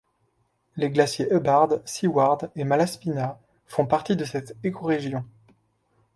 Les glaciers Hubbard, Seward et Malaspina font partie de cette écorégion.